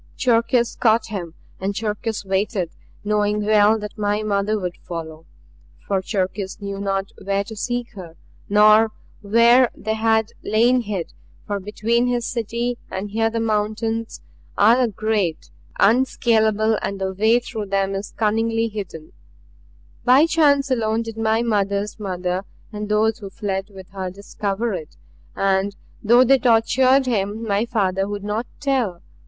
"Cherkis caught him. And Cherkis waited, knowing well that my mother would follow. For Cherkis knew not where to seek her, nor where they had lain hid, for between his city and here the mountains are great, unscalable, and the way through them is cunningly hidden; by chance alone did my mother's mother and those who fled with her discover it: And though they tortured him, my father would not tell.